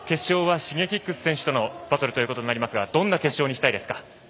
Ｓｈｉｇｅｋｉｘ選手とのバトルとなりますがどんな決勝にしたいですか。